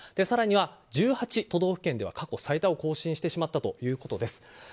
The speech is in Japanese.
更には、１８都道府県では過去最多を更新してしまったということです。